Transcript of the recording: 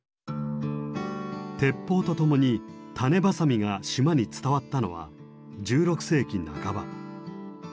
鉄砲と共に種子鋏が島に伝わったのは１６世紀半ば。